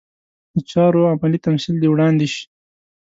د چارو عملي تمثیل دې وړاندې شي.